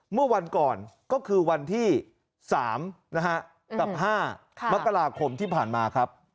เมื่อวันก่อนก็คือวันที่๓นะฮะกับ๕มกราคมที่ผ่านมาครับ